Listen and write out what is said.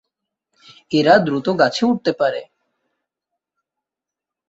এরা দ্রুত গাছে উঠতে পারে।